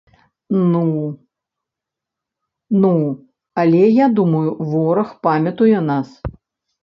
Ну, але я думаю, вораг памятуе нас.